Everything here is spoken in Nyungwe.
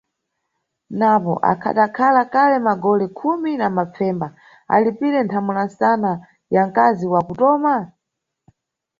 Napo, akhadakhala kale magole khumi na mapfemba alipire nthamula msana ya mkazi wa kutoma?